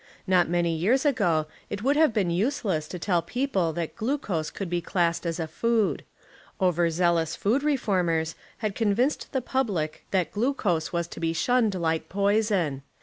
Not many years ago it would have been useless to p^ tell people that glucose should be classed as a food. Over zealous food reformers had convinced the public that glucose was to be shunned like poison.